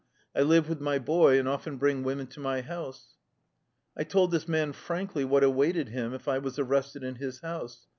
I live with my boy, and often bring women to my house." 1 told this man frankly what awaited him if I was arrested in his house.